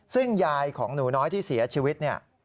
ซึ่งยายของหนูน้อยที่เสียชีวิตเนี่ย